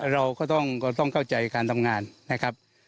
เราก็ต้องเข้าใจการทำงานนะครับ